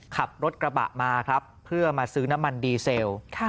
ขับรถกระบะมาครับเพื่อมาซื้อน้ำมันดีเซล